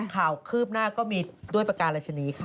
คืบหน้าก็มีด้วยประการราชนีค่ะ